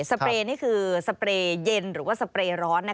เปรย์นี่คือสเปรย์เย็นหรือว่าสเปรย์ร้อน